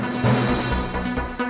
masih gak ya